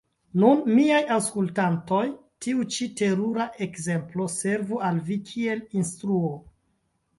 Nun, miaj aŭskultantoj, tiu ĉi terura ekzemplo servu al vi kiel instruo!